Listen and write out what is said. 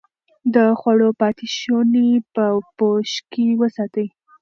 د خوړو پاتې شوني په پوښ کې وساتئ.